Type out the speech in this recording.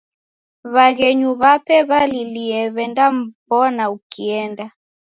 W'aghenyu w'ape w'alilie w'endam'mbona ukienda.